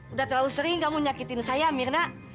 udah terlalu sering kamu nyakitin saya mirna